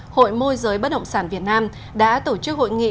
hội môi giới bất động sản việt nam đã tổ chức hội nghị